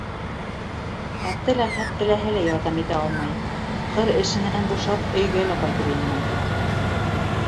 Әптеләхәт теләһә лә ярҙам итә алмай, ҡыр эшенән бушап, өйгә лә ҡайтып инмәй.